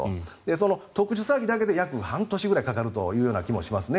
その特殊詐欺だけで約半年ぐらいかかるという気もしますね。